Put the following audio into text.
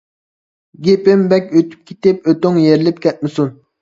گېپىم بەك ئۆتۈپ كېتىپ ئۆتۈڭ يېرىلىپ كەتمىسۇن.